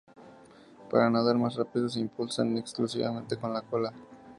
Para nadar más rápido se impulsan exclusivamente con la cola.